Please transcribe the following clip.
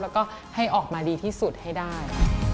แล้วก็ให้ออกมาดีที่สุดให้ได้